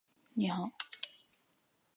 南德等即如此得名。